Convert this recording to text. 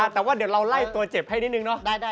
แต่ว่าเดี๋ยวเราไล่ตัวเจ็บให้นิดนึงเนาะ